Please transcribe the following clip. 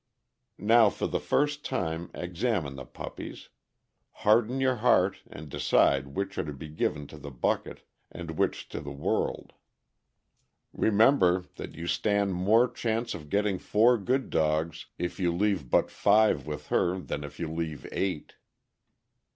Now for the first time examine the puppies; harden your heart, and decide which are to be given to the bucket and which to the world. Remember that you stand more 624 THE AMERICAN BOOK OF THE DOG. chance of getting four good dogs if you leave but five with her than if you leave eight.